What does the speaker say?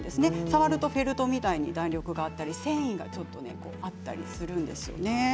触るとフェルトみたいに弾力があったり繊維がちょっとあったりするんですよね。